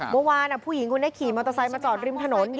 เมื่อวานผู้หญิงคนนี้ขี่มอเตอร์ไซค์มาจอดริมถนน